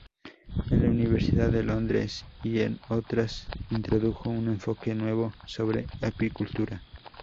En la Universidad de Londres y en otras introdujo un enfoque nuevo sobre apicultura.